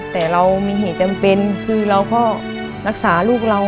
แต่เรามีเหตุจำเป็นคือเราก็รักษาลูกเรา